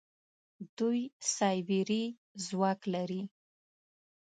دوی سايبري ځواک لري.